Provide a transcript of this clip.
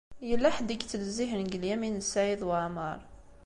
Yella ḥedd i yettnezzihen deg Lyamin n Saɛid Waɛmeṛ.